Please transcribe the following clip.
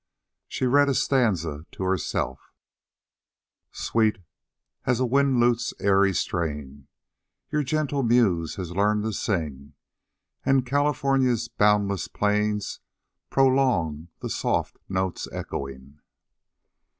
She read a stanza to herself: "Sweet as a wind lute's airy strains Your gentle muse has learned to sing, And California's boundless plains Prolong the soft notes echoing."